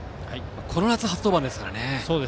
この夏、初登板ですかね。